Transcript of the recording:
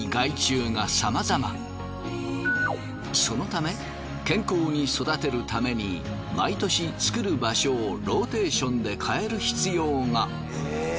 そのため健康に育てるために毎年作る場所をローテーションで変える必要が。